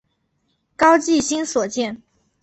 高季兴所建。